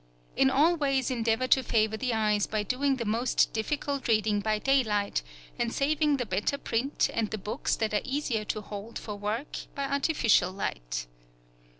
In all ways endeavour to favour the eyes by doing the most difficult reading by daylight, and saving the better print and the books that are easier to hold for work by artificial light.